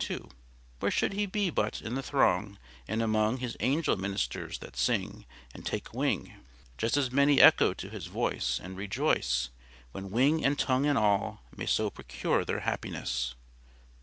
2. Where should He be but in the throng, And among His angel ministers, that sing And take wing Just as may echo to His voice, And rejoice, When wing and tongue and all May so procure their happiness?